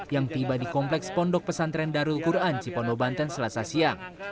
yang tiba di kompleks pondok pesantren darul quran cipono banten selasa siang